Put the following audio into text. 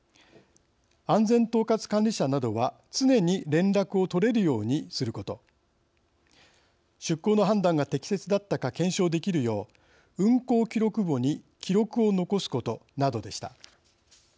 安全統括管理者などは常に連絡を取れるようにすること出港の判断が適切だったか検証できるよう運航記録簿に記録を残すことなどでした。